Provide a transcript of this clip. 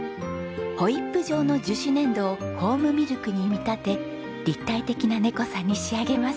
ホイップ状の樹脂粘土をフォームミルクに見立て立体的なネコさんに仕上げます。